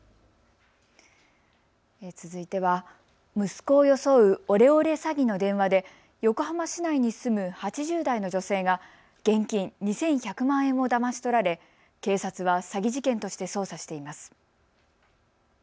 続いては息子を装うオレオレ詐欺の電話で横浜市内に住む８０代の女性が現金２１００万円をだまし取られ警察は詐欺事件として捜査しています。